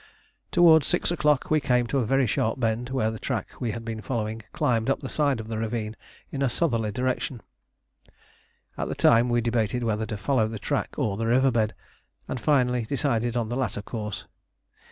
Towards six o'clock we came to a very sharp bend, where the track we had been following climbed up the side of the ravine in a southerly direction. At the time we debated whether to follow the track or the river bed, and finally decided on the latter course.